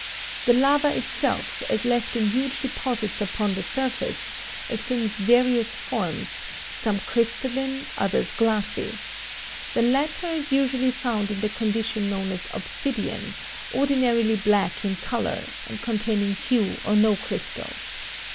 The lava itself, as left in huge deposits upon the surface, assumes various forms, some crystalline, others glassy. The latter is usually found in the condition known as obsidian, ordinarily black in color, and containing few or no crystals.